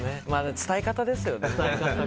伝え方ですよね。